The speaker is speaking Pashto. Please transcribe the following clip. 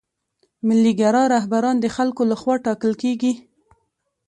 ملي ګرا رهبران د خلکو له خوا ټاکل کیږي.